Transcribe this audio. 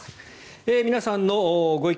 皆さんのご意見